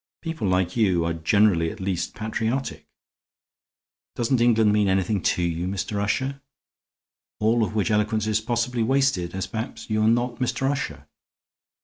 People like you are generally at least patriotic. Doesn't England mean anything to you, Mr. Usher? All of which eloquence is possibly wasted, as perhaps you are not Mr. Usher.